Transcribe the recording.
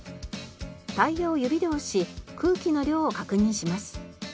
タイヤを指で押し空気の量を確認します。